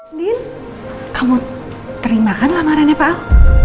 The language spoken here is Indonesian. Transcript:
andin kamu terima kan lamarannya pak al